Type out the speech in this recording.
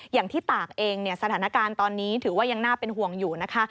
อย่างที่ตากเองเนี่ยสถานการณ์ตอนนี้ถือว่ายังน่าเป็นห่วงอยู่นะคะ